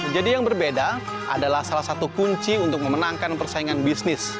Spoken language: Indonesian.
jadi yang berbeda adalah salah satu kunci untuk memenangkan persaingan bisnis